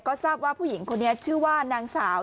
ก็ทราบว่าผู้หญิงคนนี้ชื่อว่านางสาว